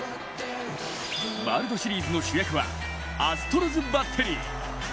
ワールドシリーズの主役はアストロズバッテリー。